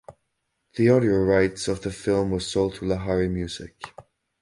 The audio rights of the film was sold to Lahari Music.